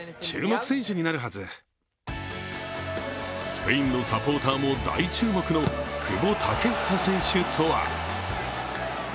スペインのサポーターも大注目の久保建英選手とは。